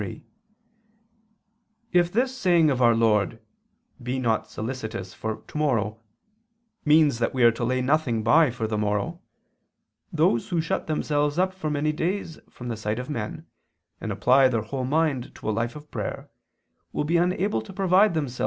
xxiii), "if this saying of our Lord, 'Be not solicitous for tomorrow,' means that we are to lay nothing by for the morrow, those who shut themselves up for many days from the sight of men, and apply their whole mind to a life of prayer, will be unable to provide themselves with these things."